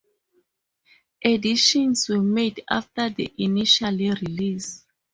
Additions were made after the initial release.